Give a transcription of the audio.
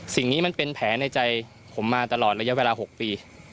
สิ่งนี้มันเป็นแผลในใจผมมาตลอดระยะเวลา๖ปี